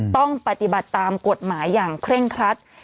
ต้องปฏิบัติตามกฎหมายอย่างเคร่งครัด